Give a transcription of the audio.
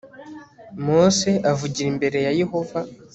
mose avugira imbere ya yehova